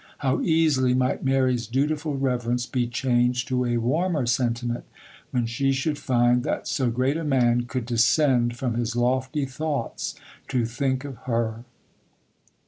—how easily might Mary's dutiful reverence be changed to a warmer sentiment, when she should find that so great a man could descend from his lofty thoughts to think of her!